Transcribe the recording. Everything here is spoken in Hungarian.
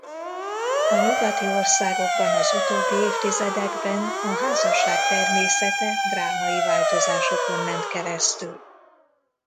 A nyugati országokban az utóbbi évtizedekben a házasság természete drámai változásokon ment keresztül.